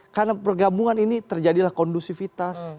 karena pergabungan ini terjadilah kondusivitas